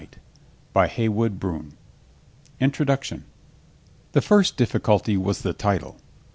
TO HEYWOOD BROUN, 3RD Introduction The first difficulty was the title.